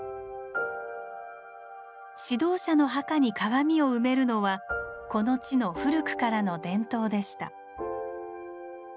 指導者の墓に鏡を埋めるのはこの地の古くからの伝統でした。